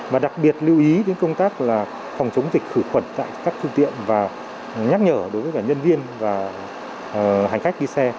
mà đặc biệt lưu ý đến công tác là phòng chống dịch khử khuẩn tại các phương tiện và nhắc nhở đối với cả nhân viên và hành khách đi xe